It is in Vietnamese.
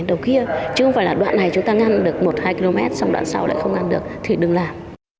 chứ không phải là đoạn này chúng ta ngăn được một hai km xong đoạn sau lại không ngăn được thì đừng làm